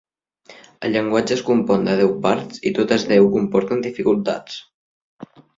El llenguatge es compon de deu parts i totes deu comporten dificultats.